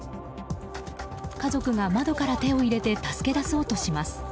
家族が窓から手を入れて助け出そうとします。